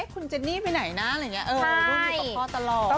เอ๊ะคุณเจนนี่ไปไหนนะ